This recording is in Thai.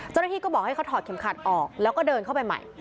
เจ้าหน้าที่ก็บอกให้เขาถอดเข็มขัดออกแล้วก็เดินเข้าไปใหม่